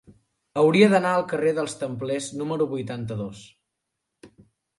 Hauria d'anar al carrer dels Templers número vuitanta-dos.